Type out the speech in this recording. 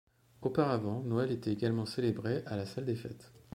Auparavant, Noël était également célébré à la salle des fêtes.